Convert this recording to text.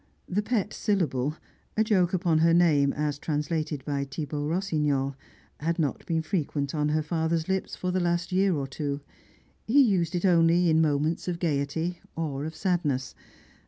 The pet syllable (a joke upon her name as translated by Thibaut Rossignol) had not been frequent on her father's lips for the last year or two; he used it only in moments of gaiety or of sadness.